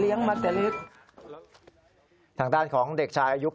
พี่เขาต่อต่างอย่างนี้ครับ